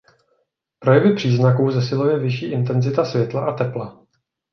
Projevy příznaků zesiluje vyšší intenzita světla a tepla.